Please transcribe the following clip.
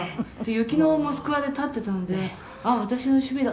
「雪のモスクワで立ってたんで“ああ私の趣味だ。